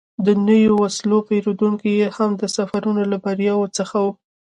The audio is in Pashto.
د نویو وسلو پېرودنه یې هم د سفرونو له بریاوو څخه وه.